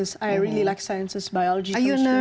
saya sangat suka sains biologi fisika teknologi